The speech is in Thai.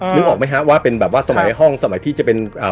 นึกออกไหมฮะว่าเป็นแบบว่าสมัยห้องสมัยที่จะเป็นอ่า